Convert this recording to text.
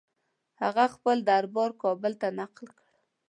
هغه خپل دربار کابل ته نقل کړ.